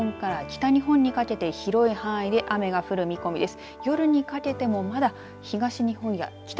まだこのあとも西日本から北日本にかけて広い範囲で雨が降る見込みです。